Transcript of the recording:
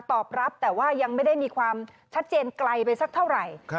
ตอบรับแต่ว่ายังไม่ได้มีความชัดเจนไกลไปสักเท่าไหร่